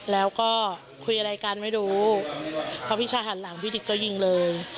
แล้วก็คุยอะไรกันไม่รู้พอพี่ชายหันหลังพี่ดิ๊กก็ยิงเลย